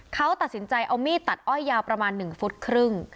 เขาตัดสินใจเอามีดตัดอ้อยยาวประมาณ๑ฟุตครึ่ง